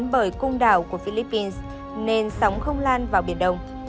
bởi cung đảo của philippines nên sóng không lan vào biển đông